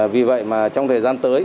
vì vậy mà trong thời gian tới